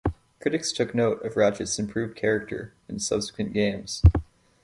Critics took note of Ratchet's improved character in subsequent games.